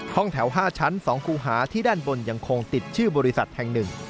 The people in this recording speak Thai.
ห้องแถว๕ชั้น๒คูหาที่ด้านบนยังคงติดชื่อบริษัทแห่งหนึ่ง